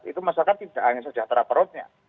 itu masyarakat tidak hanya sejahtera perutnya